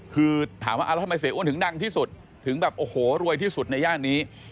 คือถามว่าแล้วทำไมเสียอ้วนถึงดังที่สุดถึงแบบโอ้โหรวยที่สุดในย่านนี้